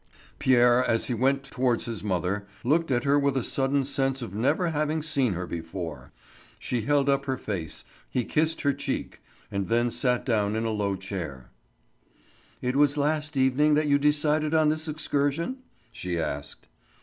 Pierre, as he went towards his mother, looked at her with a sudden sense of never having seen her before. She held up her face, he kissed each cheek, and then sat down in a low chair. "It was last evening that you decided on this excursion?" she asked.